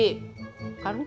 kalau gue jantungan